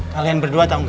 kalian berdua tau gak